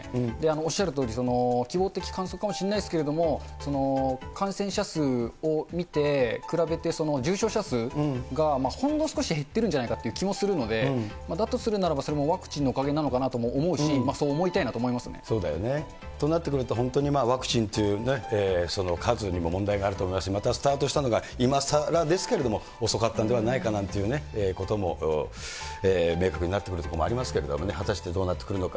おっしゃるとおり、希望的観測かもしれないですけれども、感染者数を見て、比べて重症者数が、ほんの少し減ってるんじゃないかという気もするので、だとするならば、それもワクチンのおかげなのかなとも思いますし、そう思いたいなそうだよね。となってくると、本当にワクチンという数にも問題があると思いますし、またスタートしたのが、今さらですけれども、遅かったんではないかなんてことも明確になってくるところもありますけどね、果たしてどうなってくるのか。